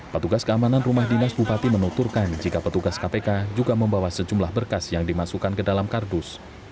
petugas keamanan rumah dinas bupati menuturkan jika petugas kpk juga membawa sejumlah berkas yang dimasukkan ke dalam kardus